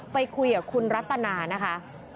ไปคุยกับคุณรัตนานะคะ